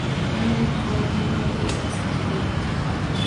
Aynan holatning oddiy emasligidan –